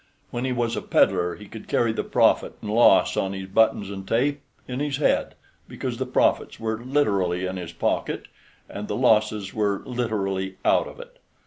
When he was a peddler he could carry the profit and loss on his buttons and tape in his head, because the profits were literally in his pocket, and the losses were literally out of it.